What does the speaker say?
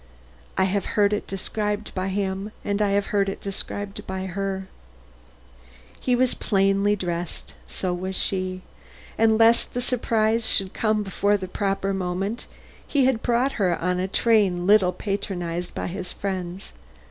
I have heard it described by him and I have heard it described by her. He was dressed plainly; so was she; and lest the surprise should come before the proper moment, he had brought her on a train little patronized by his friends.